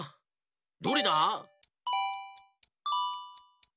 どれだ？